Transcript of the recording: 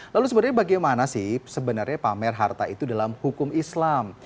lalu sebenarnya bagaimana sih sebenarnya pamer harta itu dalam hukum islam